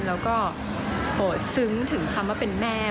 แล้วก็โหดซึ้งถึงคำว่าเป็นแม่